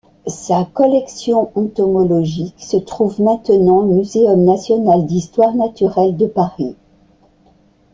Sa collection entomologique se trouve maintenant au Muséum national d'histoire naturelle de Paris.